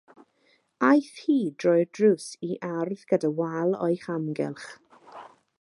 Aeth hi drwy'r drws i ardd gyda wal o'i hamgylch.